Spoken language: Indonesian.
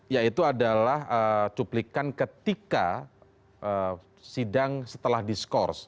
ya itu adalah cuplikan ketika sidang setelah diskors